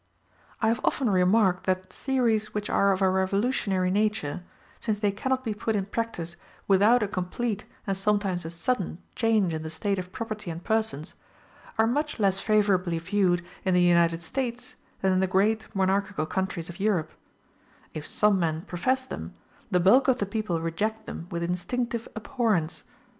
I have often remarked that theories which are of a revolutionary nature, since they cannot be put in practice without a complete and sometimes a sudden change in the state of property and persons, are much less favorably viewed in the United States than in the great monarchical countries of Europe: if some men profess them, the bulk of the people reject them with instinctive abhorrence.